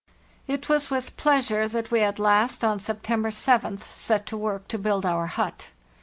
It was with pleasure that we at last, on September 7th, set to work to build our hut.